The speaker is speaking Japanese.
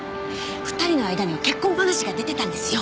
２人の間には結婚話が出てたんですよ！